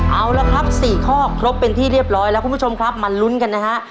เอาละครับ๔ข้อครบเป็นที่เรียบร้อยแล้วคุณผู้ชมครับมาลุ้นกันนะฮะ